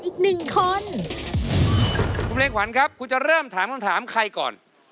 คุณพลุงควันครับคุณจะเริ่มถามความถามใครก่อน